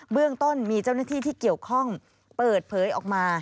เรื่องต้นมีเจ้าหน้าที่ที่เกี่ยวข้องเปิดเผยออกมา